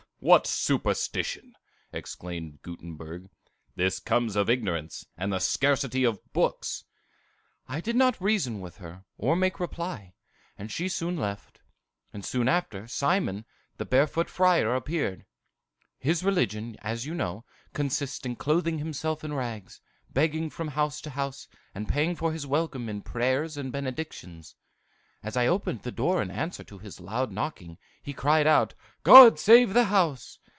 "What superstition!" exclaimed Gutenberg; "this comes of ignorance, and the scarcity of books!" "I did not reason with her, or make reply, and she soon left; and soon after, Simon, the Barefoot Friar, appeared. His religion, as you know, consists in clothing himself in rags, begging from house to house, and paying for his welcome in prayers and benedictions. As I opened the door in answer to his loud knocking, he cried out, 'God save the house!